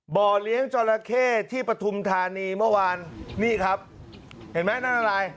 บ่อเลี้ยงจราเข้ที่ปฐุมธานีเมื่อวานนี่ครับเห็นไหมนั่นอะไร